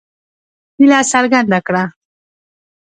هیله څرګنده کړه.